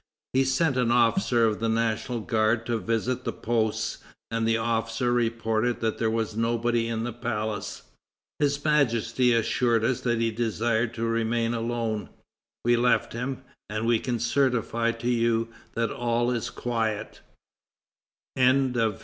He sent an officer of the National Guard to visit the posts, and the officer reported that there was nobody in the palace. His Majesty assured us that he desired to remain alone; we left him; and we can certify to you that all is quiet." XXI.